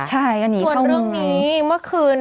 ใช่ก็หนีเข้าเมืองส่วนเรื่องนี้เมื่อคืน